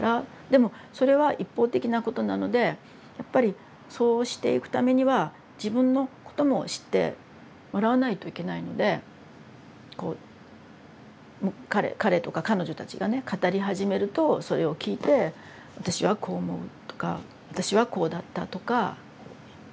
でもそれは一方的なことなのでやっぱりそうしていくためには自分のことも知ってもらわないといけないのでこうもう彼とか彼女たちがね語り始めるとそれを聞いて「私はこう思う」とか「私はこうだった」とかこう伝えていく。